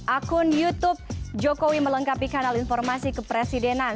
akun youtube jokowi melengkapi kanal informasi kepresidenan